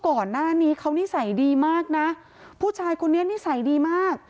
ก่อนหน้านี้เขานิสัยดีมากนะผู้ชายคนนี้นิสัยดีมาก